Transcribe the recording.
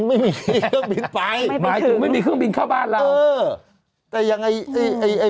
ไม่มีเครื่องบินไฟหมายถึงไม่มีเครื่องบินเข้าบ้านเราเออแต่ยังไงไอ้ไอ้ไอ้